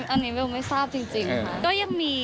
อันนี้เบลไม่ทราบจริง